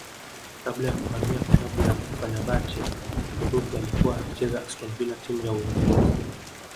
kabla ya kuhamia klabu ya Feberbahce Uturuki alikuwa akichezea Aston Villa timu ya Uingereza